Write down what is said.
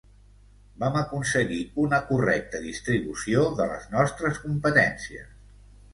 Vam aconseguir una correcta distribució de les nostres competències.